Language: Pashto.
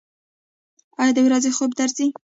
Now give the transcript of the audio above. ایا د ورځې خوب درځي؟